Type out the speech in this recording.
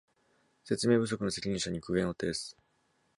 説明不足の責任者に苦言を呈す